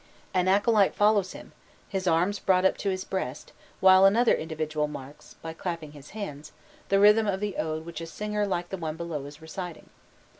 An acolyte follows him, his arms brought up to his breast, while another individual marks, by clapping his hands, the rhythm of the ode which a singer like the one below is reciting.